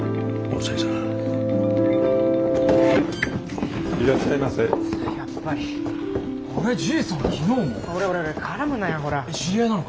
知り合いなのか？